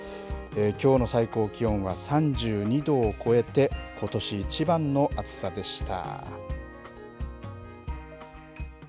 きょうの最高気温は３２度を超えてことし一番の暑さでした。